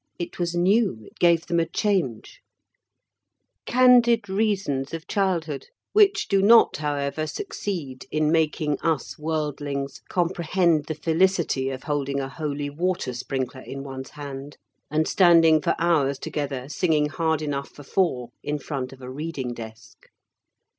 It was new; it gave them a change. Candid reasons of childhood, which do not, however, succeed in making us worldlings comprehend the felicity of holding a holy water sprinkler in one's hand and standing for hours together singing hard enough for four in front of a reading desk.